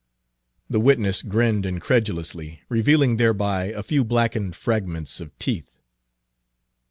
The witness grinned incredulously, revealing thereby a few blackened fragments of teeth.